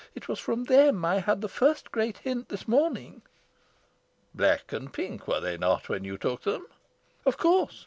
It was from them I had the great first hint this morning." "Black and pink, were they not, when you took them?" "Of course.